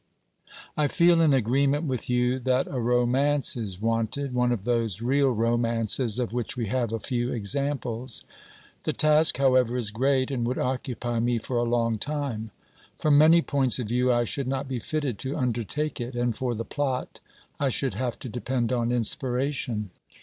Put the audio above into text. I feel in agreement with you that a romance is wanted, one of those real romances of which we have a few examples. The task, however, is great, and would occupy me for a long time. From many points of view I should not be fitted to undertake it, and for the plot I should have to depend on inspiration.